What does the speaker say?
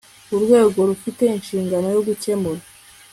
Uru rwego rufite inshingano yo gukemura